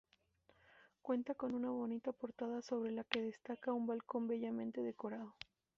Cuenta con una bonita portada sobre la que descansa un balcón bellamente decorado.